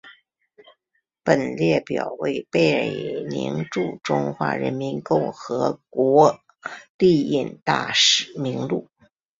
本列表为贝宁驻中华人民共和国历任大使名录。